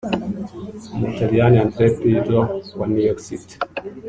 umutaliyani Andrea Pirlo wa New York City